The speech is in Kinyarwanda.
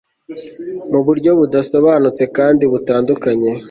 Mu buryo budasobanutse kandi butandukanye